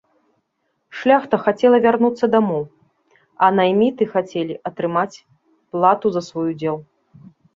Шляхта хацела вярнуцца дамоў, а найміты хацелі атрымаць плату за свой удзел.